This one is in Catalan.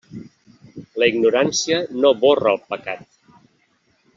La ignorància no borra el pecat.